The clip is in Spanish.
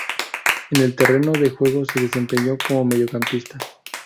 En el terreno de juego se desempeñó como mediocampista.